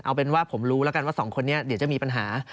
เอาเป็นว่าผมรู้แล้วกันว่าสองคนนี้เดี๋ยวจะมีปัญหา